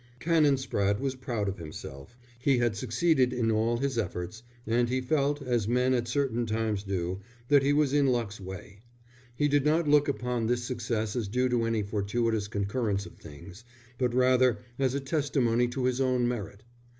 Canon Spratte was proud of himself. He had succeeded in all his efforts, and he felt, as men at certain times do, that he was in luck's way. He did not look upon this success as due to any fortuitous concurrence of things, but rather as a testimony to his own merit.